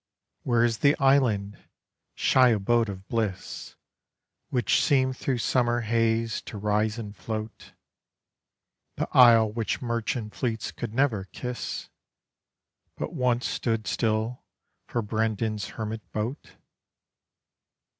Where is the island, shy abode of bliss, Which seemed through summer haze to rise and float, The isle which merchant fleets could never kiss, But once stood still for Brendan's hermit boat?